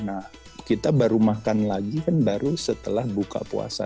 nah kita baru makan lagi kan baru setelah buka puasa